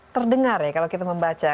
terdengar ya kalau kita membaca